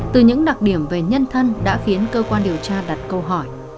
từ những đặc điểm về nhân thân đã khiến cơ quan điều tra đặt câu hỏi